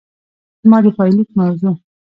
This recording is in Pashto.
زما د پايليک موضوع